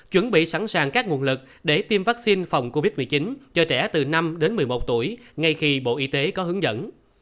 chuẩn bị sẵn sàng các nguồn lực để tiêm vaccine phòng covid một mươi chín cho trẻ từ năm đến một mươi một tuổi ngay khi bộ y tế có hướng dẫn